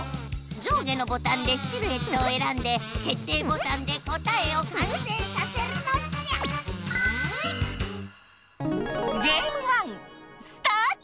上下のボタンでシルエットをえらんで決定ボタンで答えをかんせいさせるのじゃスタート！